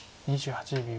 ２８秒。